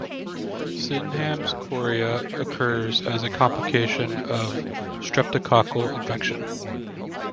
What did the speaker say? Sydenham's chorea occurs as a complication of streptococcal infection.